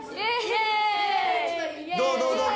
・どうどうどう？